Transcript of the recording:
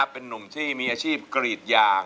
เป็นนุ่มที่มีอาชีพกรีดยาง